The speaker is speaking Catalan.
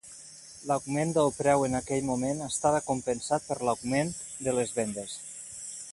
L'augment del preu en aquell moment estava compensat per l'augment de les vendes.